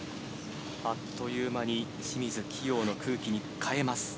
あっという間に清水希容の空気に変えます。